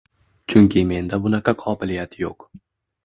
Chunki menda bunaqa qobiliyat yo’q.